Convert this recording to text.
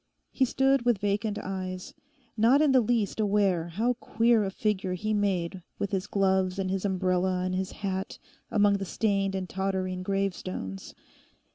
He stood with vacant eyes, not in the least aware how queer a figure he made with his gloves and his umbrella and his hat among the stained and tottering gravestones.